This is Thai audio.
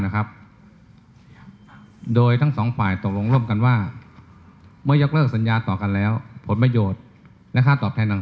ข้อสองเมื่อยังได้สัญญาต่อกันแล้วนะครับ